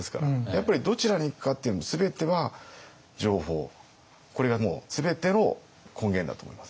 やっぱりどちらに行くかっていうのも全ては情報これが全ての根源だと思います。